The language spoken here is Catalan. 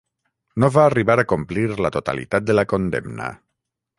No va arribar a complir la totalitat de la condemna.